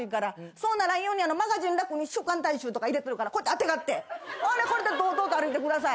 そうならんようにマガジンラックに「週刊大衆」とか入れてるからこうやってあてがってほんでこれで堂々と歩いてください。